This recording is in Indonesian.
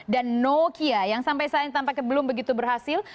dan nokia yang sampai saat ini tampaknya belum begitu berhasil